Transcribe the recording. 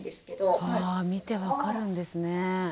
あ見て分かるんですね。